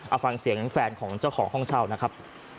เอาฟังเสียงแฟนของเจ้าของห้องเช่านะครับ